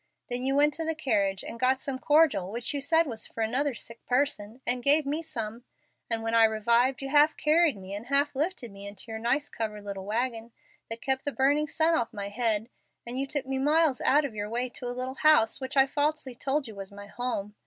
Then you went to the carriage, and got some cordial which you said was for another sick person, and gave me some; and when I revived, you half carried me and half lifted me into your nice covered little wagon, that kept the burning sun off my head, and you took me miles out of your way to a little house which I falsely told you was my home.